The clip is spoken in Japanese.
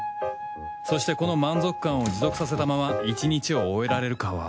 そしてこの満足感を持続させたまま一日を終えられるかは